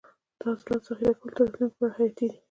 د حاصلاتو ذخیره کول د راتلونکي لپاره حیاتي دي.